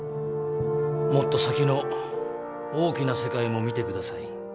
もっと先の大きな世界も見てください